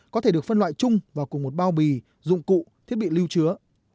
có thể được phân loại chung vào cùng một bao bì dụng cụ thiết bị lưu chứa